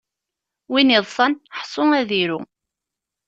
Win iḍṣan ḥṣu ad iru.